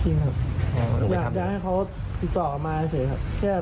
จริงครับอยากจะให้เขาติดต่อกลับมาให้เสร็จครับ